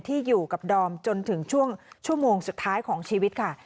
ที่อยู่กับดอมจนถึงช่วงชั่วโมงสุดท้ายของชีวิตค่ะ